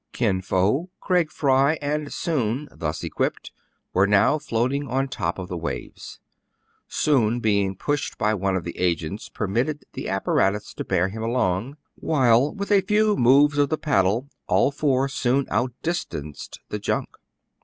Kin Fo, Craig Fry, and Soun, thus equipped, were now floating on top of the waves. Soun, be ing pushed by one of the agents, permitted the apparatus to bear him along ; while, with a few moves of the paddle, all four soon outdistanced the junk.